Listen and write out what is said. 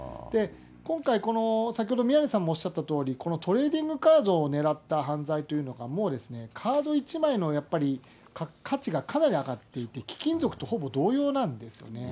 今回、先ほど宮根さんもおっしゃったとおり、このトレーディングカードを狙った犯罪というのが、もうカード１枚のやっぱり価値がかなり上がっていて、貴金属とほぼ同様なんですよね。